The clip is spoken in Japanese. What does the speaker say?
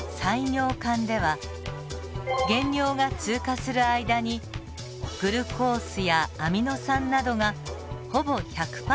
尿管では原尿が通過する間にグルコースやアミノ酸などがほぼ１００％